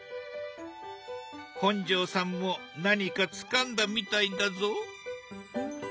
本上さんも何かつかんだみたいだぞ。